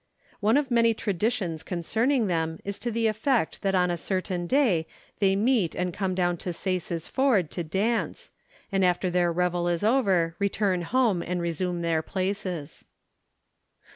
One of many traditions concerning them is to the effect that on a certain day they meet and come down to Sais's Ford to dance, and after their revel is over return home and resume their places.